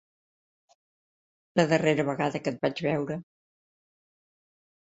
La darrera vegada que et vaig veure.